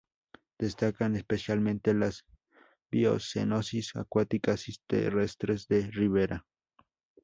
Destacan especialmente las biocenosis acuáticas y terrestres de ribera.